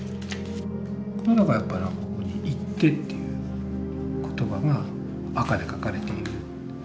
これなんかやっぱり「行ッテ」という言葉が赤で書かれている。